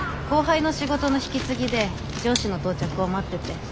後輩の仕事の引き継ぎで上司の到着を待ってて。